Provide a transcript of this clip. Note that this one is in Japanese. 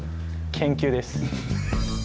研究です。